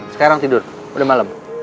sekarang tidur udah malem